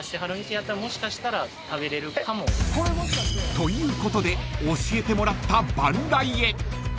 ［ということで教えてもらった］